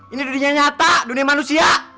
ini dunia nyata dunia manusia